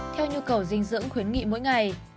theo nhu cầu dinh dưỡng khuyến nghị mỗi ngày